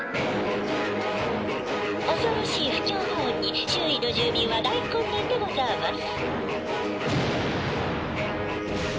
「恐ろしい不協和音に周囲の住民は大混乱でござあます」。